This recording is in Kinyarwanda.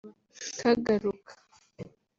Kagaruka